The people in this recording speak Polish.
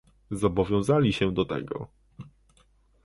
Zobowiązali się do tego